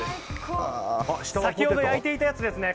先ほど焼いていたやつですね。